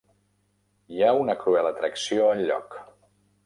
Hi ha una cruel atracció al lloc.